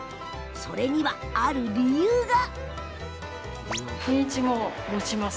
それには、ある理由が。